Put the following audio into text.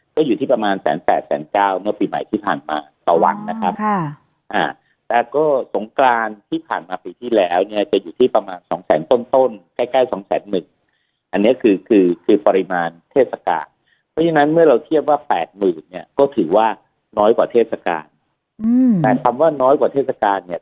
กว่าเทศกาลอืมแต่คำว่าน้อยกว่าเทศกาลเนี้ย